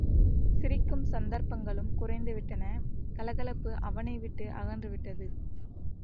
சிரிக்கும் சந்தர்ப்பங்களும் குறைந்துவிட்டன கல கலப்பு அவனை விட்டு அகன்று விட்டது.